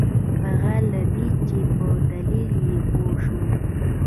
بغیر له دې چې په دلیل یې پوه شوو.